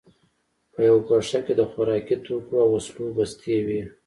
په یوه ګوښه کې د خوراکي توکو او وسلو بستې وې